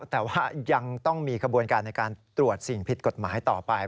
แต่ว่ายังต้องมีขบวนการในการตรวจสิ่งผิดกฎหมายต่อไป